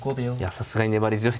さすがに粘り強いですね。